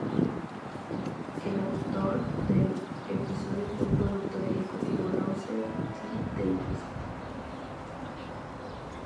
El autor del episodio fue el productor ejecutivo Russell T Davies.